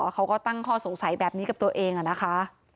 เขาก็ตั้งข้อสงสัยแบบนี้กับตัวเองนะคะ